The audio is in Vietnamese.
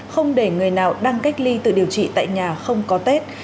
không để người nào đang cách ly tự điều trị tại nhà không có tết